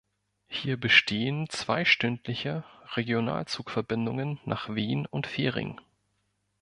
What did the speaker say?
Hier bestehen zweistündliche Regionalzug-Verbindungen nach Wien und Fehring.